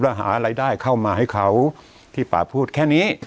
แล้วหารายได้เข้ามาให้เขาที่ป่าพูดแค่นี้